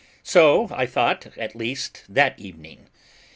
So I thought, at least, that evening.